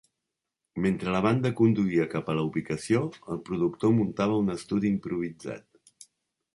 Mentre la banda conduïa cap a la ubicació, el productor muntava un estudi improvisat.